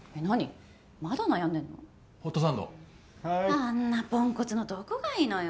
あんなポンコツのどこが良いのよ。